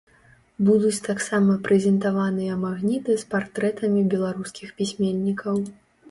Будуць таксама прэзентаваныя магніты з партрэтамі беларускіх пісьменнікаў.